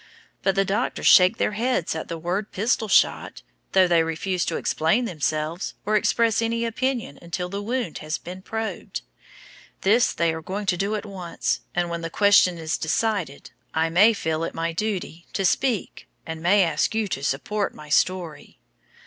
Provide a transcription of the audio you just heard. But the doctors shake their heads at the word pistol shot, though they refuse to explain themselves or to express any opinion till the wound has been probed. This they are going to do at once, and when that question is decided, I may feel it my duty to speak and may ask you to support my story."